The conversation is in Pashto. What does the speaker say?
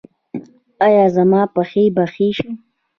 ایا زما پښې به ښې شي؟